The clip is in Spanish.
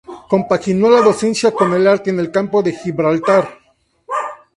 Compaginó la docencia con el arte en el Campo de Gibraltar.